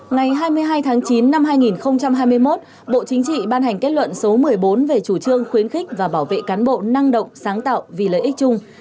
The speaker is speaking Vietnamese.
ngày hai mươi hai tháng chín năm hai nghìn hai mươi một bộ chính trị ban hành kết luận số một mươi bốn về chủ trương khuyến khích và bảo vệ cán bộ năng động sáng tạo vì lợi ích chung